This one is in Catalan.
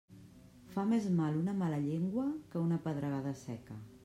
Fa més mal una mala llengua que una pedregada seca.